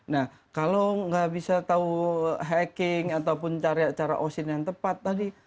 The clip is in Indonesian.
nah kalau nggak bisa tahu hacking ataupun cara osin yang tepat tadi